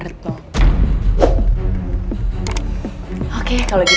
dan setelah berjalan ke rumah sakit